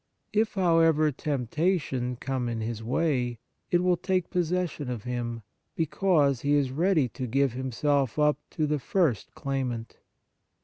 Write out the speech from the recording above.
If, however, temptation come in his way, it will take possession of him, because he is ready to give himself up to the first claimant.